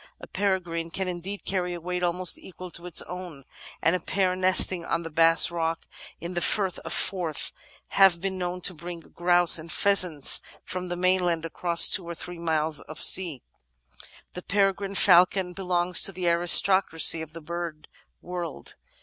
A peregrine can indeed carry a weight almost equal to its own, and a pair nesting on the Bass Rock, in the Firth of Forth, have been known to bring grouse and pheasants from the mainland across two or three miles of sea. The Peregrine Falcon belongs to the aristocracy of the bird world.